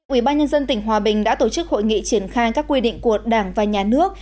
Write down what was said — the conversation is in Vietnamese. ủy ban nhân dân tỉnh hòa bình đã tổ chức hội nghị triển khai các quy định của đảng và nhà nước